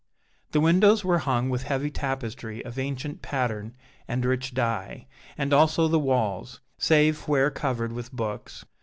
The windows were hung with heavy tapestry of ancient pattern and rich dye, and also the walls, save where covered with books.